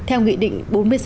theo nghị định bốn mươi sáu